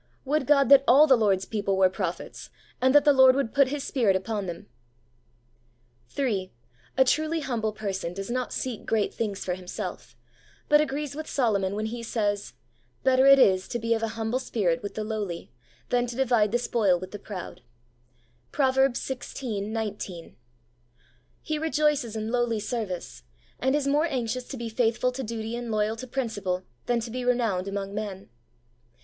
Would God that all the Lord's people were prophets, and that the Lord would put His Spirit upon them !' 3. A truly humble person does not seek great things for himself, but agrees with Solomon when he says, ' Better it is to be of an humble spirit with the lowly than to divide the spoil with the proud ' (Prov. xvi. 19). He rejoices in lowly service, and 56 THE WAY OF HOLINESS is more anxious to be faithful to duty and loyal to principle than to be renowned among" men.